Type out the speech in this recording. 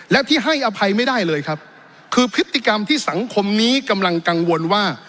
และที่ให้อภัยไม่ได้เลยครับคือพฤติกรรมที่สังคมนี้กำลังกังวลว่า